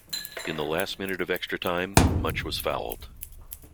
In the last minute of extra time, Mutch was fouled.